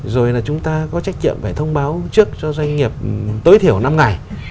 rồi là chúng ta có trách nhiệm phải thông báo trước cho doanh nghiệp tối thiểu năm ngày